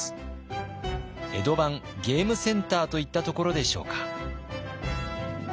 江戸版ゲームセンターといったところでしょうか。